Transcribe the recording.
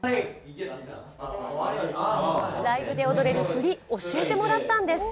ライブで踊れる振り、教えてもらったんです。